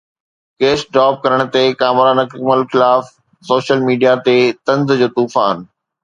Kech drop ڪرڻ تي ڪامران اڪمل خلاف سوشل ميڊيا تي طنز جو طوفان